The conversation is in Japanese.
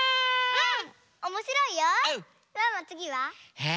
うん！